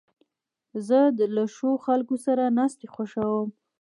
زه له ښو خلکو سره ناستې خوښوم.